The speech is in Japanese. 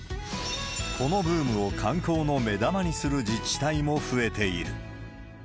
このブームを観光の目玉にする自治体も増えている。